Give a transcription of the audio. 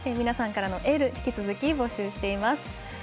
皆さんからのエール引き続き募集しています。